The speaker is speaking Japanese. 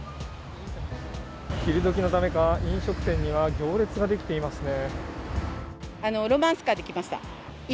昼時のためか、飲食店には行列ができていますね。